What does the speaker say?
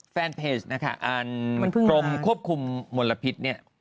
แฟนเพจกรมควบคุมมลพิษ